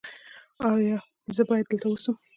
ایا زه باید دلته اوسم؟